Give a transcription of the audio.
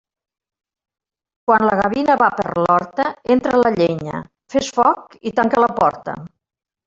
Quan la gavina va per l'horta, entra la llenya, fes foc i tanca la porta.